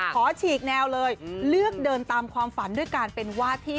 ฉีกแนวเลยเลือกเดินตามความฝันด้วยการเป็นวาดที่